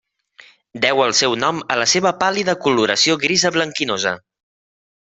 Deu el seu nom a la seva pàl·lida coloració grisa blanquinosa.